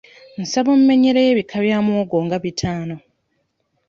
Nsaba ommenyereyo ebika bya muwogo nga bitaano.